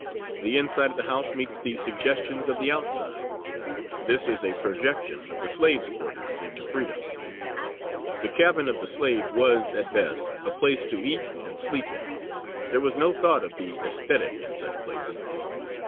The inside of the house meets the suggestions of the outside. This is a projection of the slave's "quarters" into freedom. The cabin of the slave was, at best, a place to eat and sleep in; there was no thought of the esthetic in such places.